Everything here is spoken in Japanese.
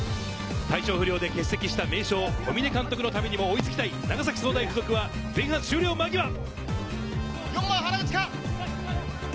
体調不良で欠席した名将・小嶺監督のためにも追いつきたい長崎総大附属は前半終了間際。